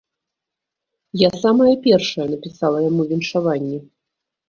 Я самая першая напісала яму віншаванне.